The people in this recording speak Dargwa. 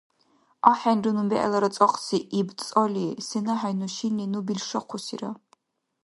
— АхӀенра ну бегӀлара цӀакьси, — иб цӀали, — сенахӀенну шинни ну билшахъусира!